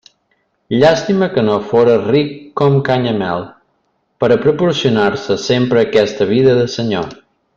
Llàstima que no fóra ric com Canyamel, per a proporcionar-se sempre aquesta vida de senyor!